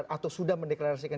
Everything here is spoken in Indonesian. atau sudah mendeklarasikan